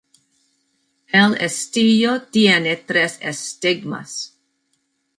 El estilo tiene tres estigmas.